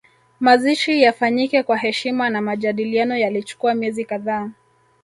Mazishi yafanyike kwa heshima na majadiliano yalichukua miezi kadhaa